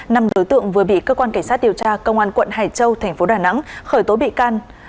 năm đối tượng vừa bị cơ quan cảnh sát điều tra công an quận hải châu tp đà nẵng khởi tối bị can